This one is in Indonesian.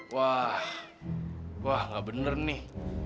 wah wah nggak bener nih